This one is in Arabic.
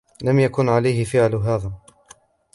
لم يكن عليه فعل هذا.